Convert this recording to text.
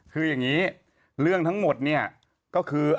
คืออย่างนี้เรื่องทั้งหมดเนี่ยก็คือ